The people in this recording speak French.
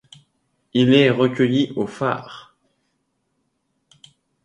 Il est recueilli au phare.